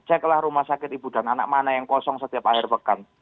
ceklah rumah sakit ibu dan anak mana yang kosong setiap akhir pekan